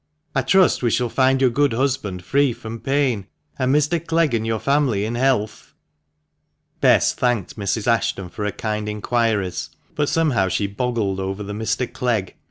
I trust we shall find your good husband free from pain, and Mr. Clegg and your family in health." Bess thanked Mrs. Ashton for her kind inquiries, but somehow she boggled over the "Mr. Clegg."